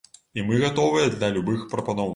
І мы гатовыя да любых прапаноў.